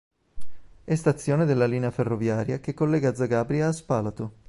È stazione della linea ferroviaria che collega Zagabria a Spalato.